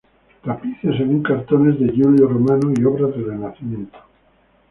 Tapices según cartones de Giulio Romano y obras del Renacimiento.